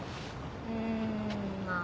うんまあ。